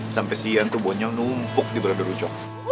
sampe si ian tuh bonyong numpuk di brother rucok